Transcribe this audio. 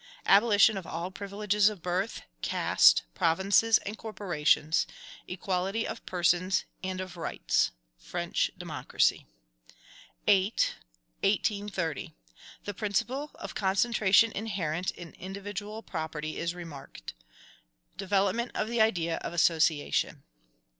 Abolition of all privileges of birth, caste, provinces, and corporations; equality of persons and of rights. French democracy. 8. 1830. The principle of concentration inherent in individual property is REMARKED. Development of the idea of association.